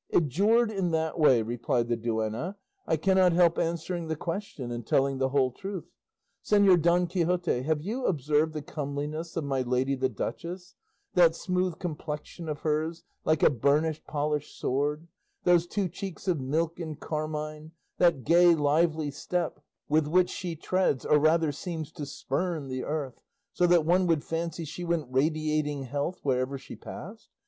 "Adjured in that way," replied the duenna, "I cannot help answering the question and telling the whole truth. Señor Don Quixote, have you observed the comeliness of my lady the duchess, that smooth complexion of hers like a burnished polished sword, those two cheeks of milk and carmine, that gay lively step with which she treads or rather seems to spurn the earth, so that one would fancy she went radiating health wherever she passed?